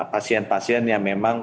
pasien pasien yang memang